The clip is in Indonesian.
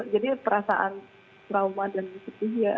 jadi perasaan trauma dan setia